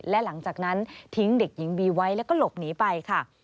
และหลังจากนั้นทิ้งเด็กหญิงบีไว้แล้วก็หลบหนีไปค่ะ